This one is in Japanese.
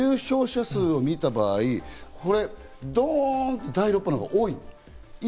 重症者数を見た場合、どんと第６波のほうが多い。